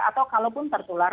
atau kalaupun tertular